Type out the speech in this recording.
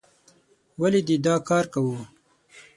ولې دې دا کار کوو؟